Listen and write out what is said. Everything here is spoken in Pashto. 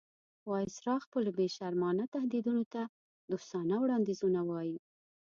وایسرا خپلو بې شرمانه تهدیدونو ته دوستانه وړاندیزونه وایي.